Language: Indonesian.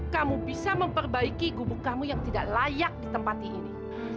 kamu bisa memperbaiki gubuk kamu yang tidak layak ditempati ini